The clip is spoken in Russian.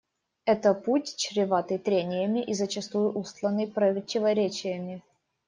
Это путь, чреватый трениями и зачастую устланный противоречиями.